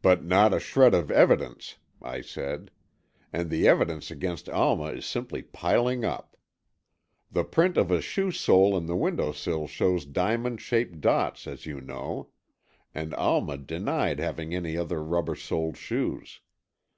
"But not a shred of evidence," I said. "And the evidence against Alma is simply piling up. The print of a shoe sole in the window sill shows diamond shaped dots, as you know, and Alma denied having any other rubber soled shoes.